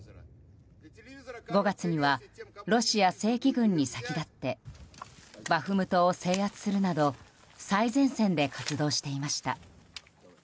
５月にはロシア正規軍に先立ってバフムトを制圧するなど最前線で活動していました。